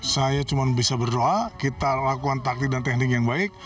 saya cuma bisa berdoa kita lakukan taktik dan teknik yang baik